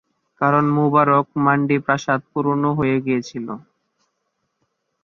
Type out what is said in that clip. কারণ মোবারক মান্ডি প্রাসাদ পুরনো হয়ে গিয়েছিল।